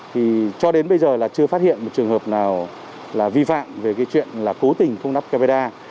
thì cho đến bây giờ là chưa phát hiện một trường hợp nào là vi phạm về cái chuyện là cố tình không nắp camera